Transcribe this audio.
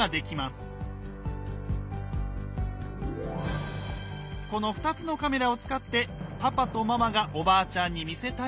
この２つのカメラを使ってパパとママがおばあちゃんに見せたいのが。